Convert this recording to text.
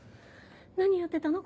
何やってたの？